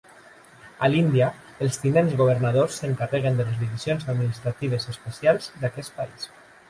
A l'Índia, els tinents governadors s'encarreguen de les divisions administratives especials d'aquest país.